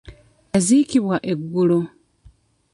Yaziikiddwa eggulo.